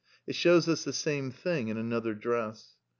It shows us the same thing in another dress.